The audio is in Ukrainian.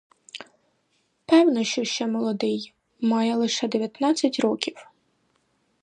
Певно, що ще молодий, має лише дев'ятнадцять років.